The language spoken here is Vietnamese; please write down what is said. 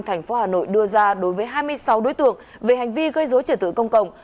thành phố hà nội đưa ra đối với hai mươi sáu đối tượng về hành vi gây dối trật tự công cộng